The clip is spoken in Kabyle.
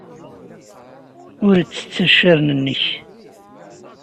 Ur ttett accaren-nnek.